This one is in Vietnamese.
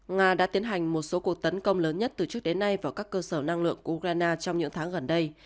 nga đã tiến hành một số cuộc tấn công lớn nhất từ trước đến nay vào các cơ sở năng lượng của ukraine trong những tháng gần đây